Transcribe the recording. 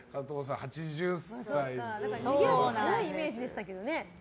すごい速いイメージでしたけどね。